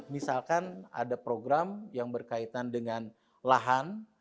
misalkan ada program yang berkaitan dengan lahan